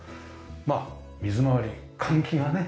まあ水まわり換気がね。